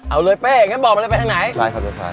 เอาเลยแป๊อย่างงั้นบอกไหมบอกไปทางไหน